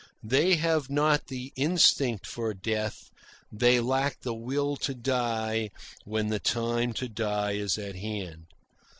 They have not the instinct for death; they lack the will to die when the time to die is at hand.